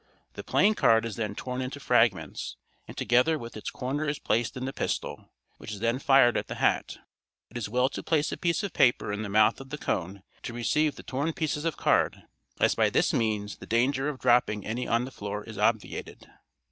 The plain card is then torn into fragments, and together with its corner is placed in the pistol, which is then fired at the hat. It is well to place a piece of paper in the mouth of the cone to receive the torn pieces of card, as by this means the danger of dropping any on the floor is obviated.